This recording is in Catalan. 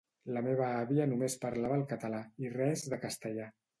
La meva àvia només parlava el català i res de castellà